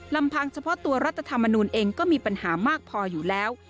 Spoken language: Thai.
ลำพังเฉพาะตัวรัฐธรรมนูลเองก็มีปัญหามากพออยู่แล้ว